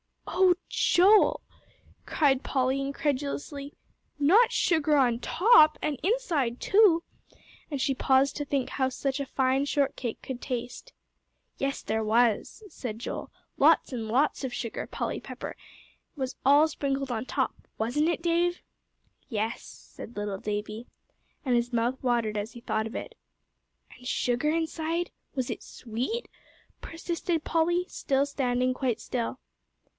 "Oh, Joel," cried Polly, incredulously, "not sugar on top, and inside too!" and she paused to think how such a fine shortcake could taste. "Yes, there was," said Joel; "lots and lots of sugar, Polly Pepper, was all sprinkled on top. Wasn't it, Dave?" "Yes," said little Davie, and his mouth watered as he thought of it. "And sugar inside was it sweet?" persisted Polly, still standing quite still.